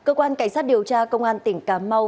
cơ quan cảnh sát điều tra công an tỉnh cà mau vừa khởi tố